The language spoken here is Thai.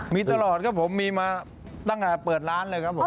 มีตลอดครับผมมีมาตั้งแต่เปิดร้านเลยครับผม